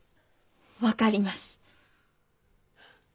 分かります。